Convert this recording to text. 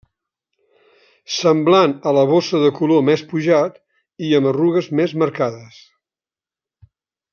Semblant a la bossa de color més pujat i amb arrugues més marcades.